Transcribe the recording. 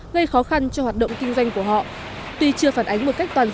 gây khó khăn cho hoạt động kinh doanh của họ